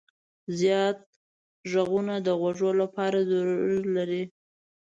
زیات غږونه د غوږو لپاره ضرر لري.